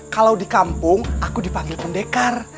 kalau di kampung aku dipanggil pendekar